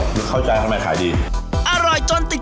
เหมือนกากหมูเลยแครบหมูเลย